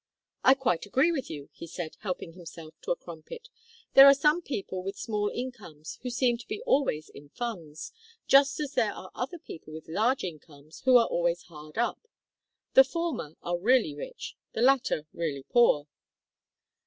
"I quite agree with you," he said, helping himself to a crumpet, "there are some people with small incomes who seem to be always in funds, just as there are other people with large incomes who are always hard up. The former are really rich, the latter really poor."